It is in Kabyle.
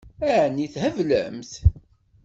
Ɛni theblemt?